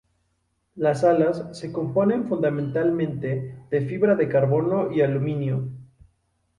Las alas se componen fundamentalmente de fibra de carbono y aluminio.